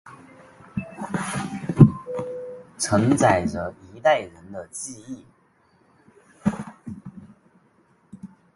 承载着一代人的记忆